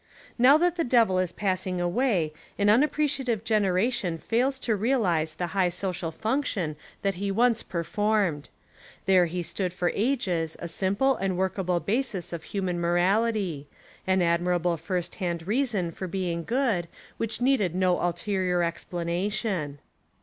Now that the Devil is passing away an un appreciative generation fails to realise the high social function that he once performed. There he stood for ages a simple and workable basis of human morality; an admirable first hand reason for being good, which needed no ulteri or explanation.